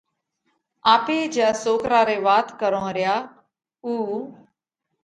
آپي جيا سوڪرا رئِي وات ڪرونه ريا اُو